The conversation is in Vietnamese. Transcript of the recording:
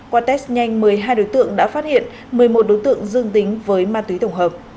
qua test nhanh một mươi hai đối tượng đã phát hiện một mươi một đối tượng dương tính với ma túy tổng hợp